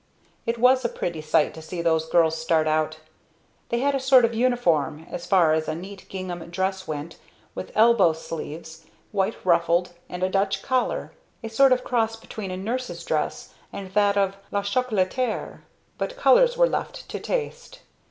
It was a pretty sight to see those girls start out. They had a sort of uniform, as far as a neat gingham dress went, with elbow sleeves, white ruffled, and a Dutch collar; a sort of cross between a nurses dress and that of "La Chocolataire;" but colors were left to taste.